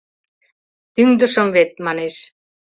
— Тӱҥдышым вет, — манеш.